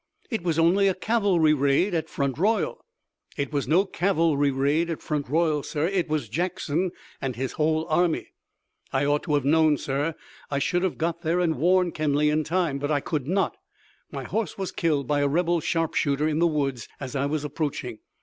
It was only a cavalry raid at Front Royal!" "It was no cavalry raid at Front Royal, sir! It was Jackson and his whole army! I ought to have known, sir! I should have got there and have warned Kenly in time, but I could not! My horse was killed by a rebel sharpshooter in the woods as I was approaching!